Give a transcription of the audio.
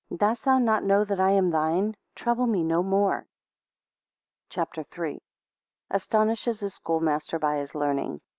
20 Dost thou not know that I am thine? Trouble me no more. CHAPTER III. 1 Astonishes his schoolmaster by his learning.